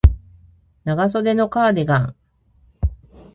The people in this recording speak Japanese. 長袖のカーディガン